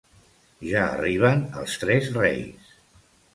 Ja arriben els tres Reis